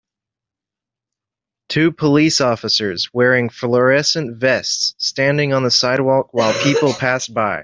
Two police officers wearing florescent vests standing on the sidewalk while people pass by.